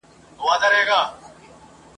لېوانو ته غوښي چا پخ کړي دي !.